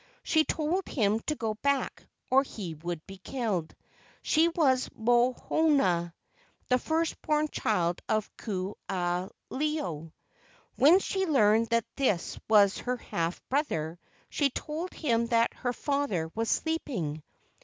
She told him to go back, or he would be killed. She was Moho nana, the first born child of Ku aha ilo. When she learned that this was her half brother, she told him that her father was sleeping.